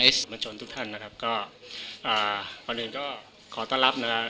เอสทุกท่านนะครับก็อ่าพอหนึ่งก็ขอต้อนรับนะครับ